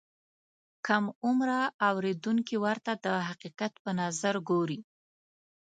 کم عمره اورېدونکي ورته د حقیقت په نظر ګوري.